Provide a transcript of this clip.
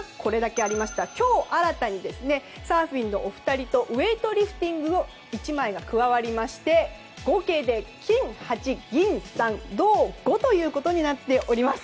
今日、新たにサーフィンのお二人とウエイトリフティングの１枚が加わりまして合計で金８、銀３銅５となっています。